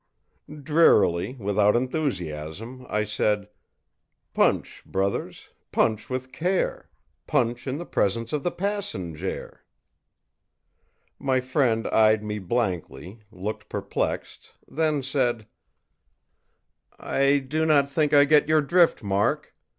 î Drearily, without enthusiasm, I said: ìPunch brothers, punch with care! Punch in the presence of the passenjare!î My friend eyed me blankly, looked perplexed, then said: ìI do not think I get your drift, Mark.